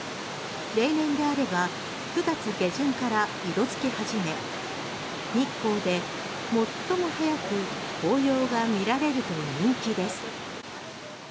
例年であれば９月下旬から色づき始め日光で最も早く紅葉が見られると人気です。